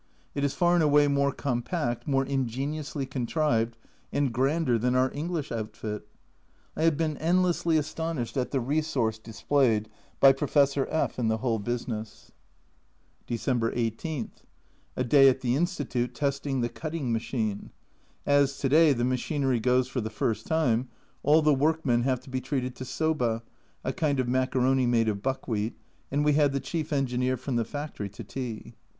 It is far and away more compact, more ingeniously contrived, and grander than our English outfit. I have been end lessly astonished at the resource displayed by Pro fessor F in the whole business. 80 A Journal from Japan December 18. A day at the Institute testing the cutting machine. As to day the machinery goes for the first time, all the workmen have to be treated to Soba (a kind of macaroni made of buckwheat), and we had the chief engineer from the factory to tea.